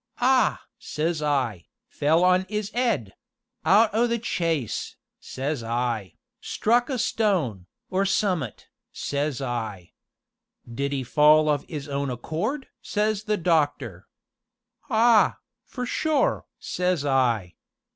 'Ah!' says I, 'fell on 'is 'ead out o' the chaise,' says I, 'struck a stone, or summ'at,' says I. 'Did 'e fall of 'is own accord?' says the doctor. 'Ah, for sure!' says I.